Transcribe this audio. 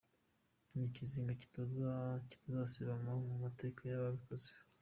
Ni ikizinga kitazasibama mu mateka y’ababikoze.